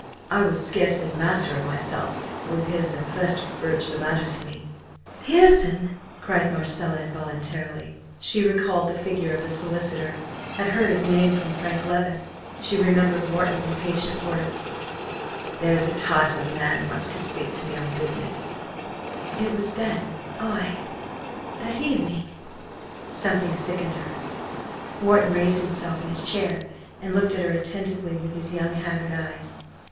I was scarcely master of myself when Pearson first broached the matter to me " "Pearson!" cried Marcella, involuntarily. She recalled the figure of the solicitor; had heard his name from Frank Leven. She remembered Wharton's impatient words "There is a tiresome man wants to speak to me on business " It was then I that evening! Something sickened her. Wharton raised himself in his chair and looked at her attentively with his young haggard eyes.